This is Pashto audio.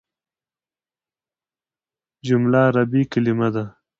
جمله عربي کليمه ده.